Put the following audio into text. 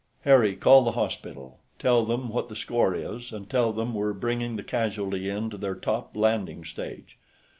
"Harry, call the hospital. Tell them what the score is, and tell them we're bringing the casualty in to their top landing stage....